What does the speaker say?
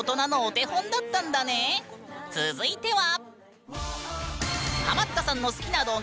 続いては。